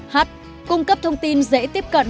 h cung cấp thông tin dễ tiếp cận